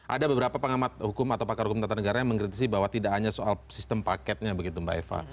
ada beberapa pengamat hukum atau pakar hukum tata negara yang mengkritisi bahwa tidak hanya soal sistem paketnya begitu mbak eva